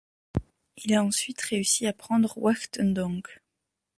Il a ensuite réussi à prendre Wachtendonk.